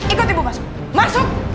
ikut ibu masuk masuk